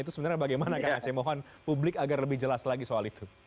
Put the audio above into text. itu sebenarnya bagaimana kang aceh mohon publik agar lebih jelas lagi soal itu